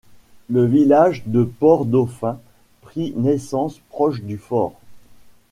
Le village de Port Dauphin prit naissance proche du fort.